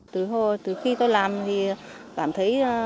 từ khi tôi làm thì cảm thấy